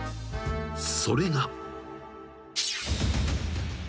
［それが］